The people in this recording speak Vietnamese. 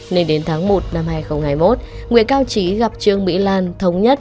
nên đến tháng một năm hai nghìn hai mươi một nguyễn cao trí gặp trương mỹ lan thống nhất